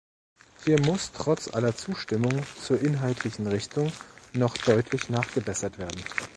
Hier muss trotz aller Zustimmung zur inhaltlichen Richtung noch deutlich nachgebessert werden.